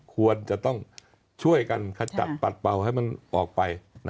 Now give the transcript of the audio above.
ควรจะต้องช่วยกันขจัดปัดเป่าให้มันออกไป